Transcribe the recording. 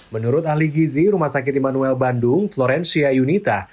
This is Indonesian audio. menurut ahli gizi rumah sakit immanuel bandung florencia yunita